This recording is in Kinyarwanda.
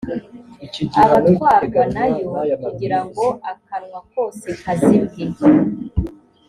abatwarwa na yo kugira ngo akanwa kose kazibwe